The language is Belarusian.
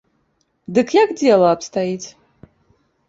Дык як дзела абстаіць?